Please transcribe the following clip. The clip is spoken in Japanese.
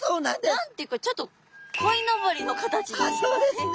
何て言うかちょっとこいのぼりの形に似てません？